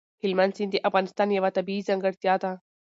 هلمند سیند د افغانستان یوه طبیعي ځانګړتیا ده.